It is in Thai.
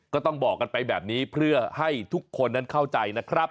ก็ต้องบอกกันไปแบบนี้เพื่อให้ทุกคนนั้นเข้าใจนะครับ